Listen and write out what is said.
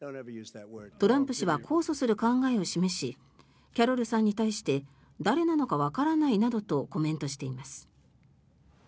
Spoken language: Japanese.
トランプ氏は控訴する考えを示しキャロルさんに対して誰なのかわからないなどとコメントしています。